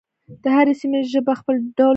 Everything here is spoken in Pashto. د هرې سیمې ژبه خپل ډول لري.